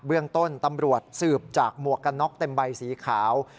เรื่องต้นตำรวจสืบจากหมวกกันน็อกเต็มใบสีขาว